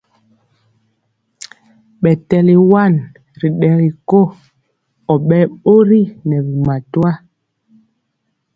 Ɓɛ tɛli wan ri ɗɛgi ko, ɔ ɓɛɛ ɓori nɛ bi matwa.